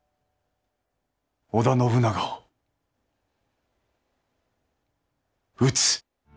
織田信長を討つ。